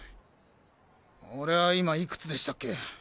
俺は今いくつでしたっけ？